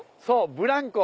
ブランコ。